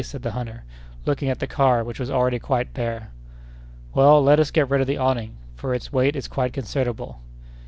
said the hunter, looking at the car, which was already quite bare. "Well, let us get rid of the awning, for its weight is quite considerable."